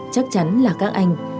chắc chắn là các anh